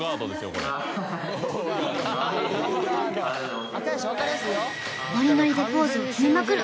これノリノリでポーズを決めまくる